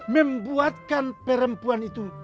membuatkan perempuan itu